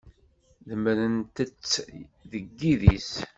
Demmrent-tt deg yidis.